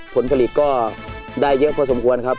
ผลผลิตก็ได้เยอะพอสมควรครับ